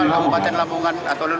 kawalan keempatan lamungan